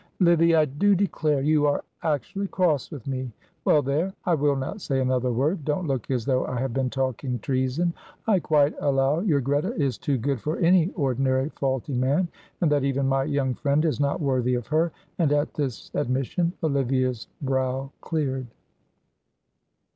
"Livy, I do declare you are actually cross with me, well, there, I will not say another word; don't look as though I have been talking treason. I quite allow your Greta is too good for any ordinary faulty man, and that even my young friend is not worthy of her," and at this admission Olivia's brow cleared.